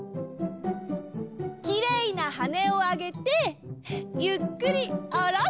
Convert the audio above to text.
きれいなはねをあげてゆっくりおろす！